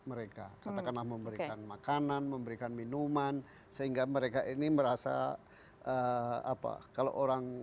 mereka katakanlah memberikan makanan memberikan minuman sehingga mereka ini merasa apa kalau orang